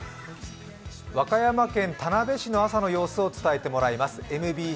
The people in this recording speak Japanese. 和歌山県田辺市の朝の様子を伝えてもらいます。